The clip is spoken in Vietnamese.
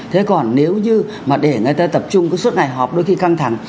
thế còn nếu như mà để người ta tập trung cái suốt ngày họp đôi khi căng thẳng